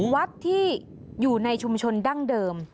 วัดที่อยู่ในชุมชนดั้งเดิม